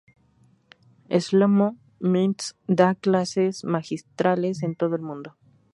Shlomo Mintz da clases magistrales en todo el mundo.